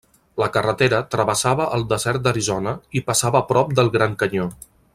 La carretera travessava el desert d'Arizona i passava prop del Gran Canyó.